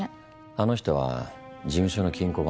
あの人は事務所の金庫番。